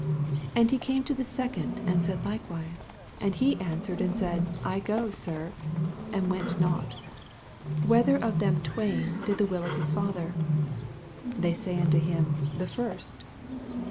80 And he came to the second, and said likewise. And he answered and said, I aOf sir : and went not. 81 Whether of them twain did the will of Ma father? They say unto him^ The first.